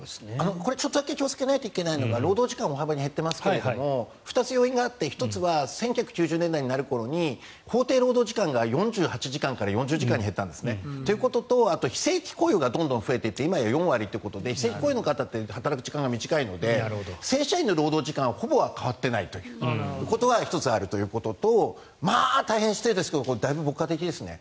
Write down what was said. これ、ちょっとだけ気をつけないといけないのが労働時間、大幅に減っていますが２つ要因がありまして１つは１９９０年代になる時に法定労働時間が４８時間から４０時間に減ったんですね。ということと、非正規雇用がどんどん増えていって今や４割ということで非正規雇用の方は働く時間が短いので正社員の労働時間はほぼ変わってないということが１つあるのとまあ、大変失礼ですがだいぶ牧歌的ですね。